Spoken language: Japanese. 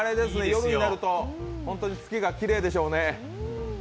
夜になると本当に月がきれいでしょうね。